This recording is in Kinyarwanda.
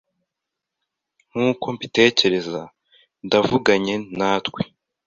Nkuko mbitekereza ntavuganye nanjye